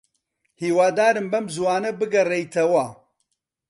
هیوادارم بەم زووانە بگەڕێیتەوە.